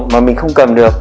mà mình không cầm được